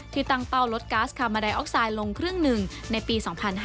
ตั้งเป้าลดก๊าซคามาไดออกไซด์ลงครึ่งหนึ่งในปี๒๕๕๙